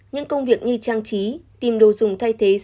những công việc như trang trí tìm đồ dùng thay thế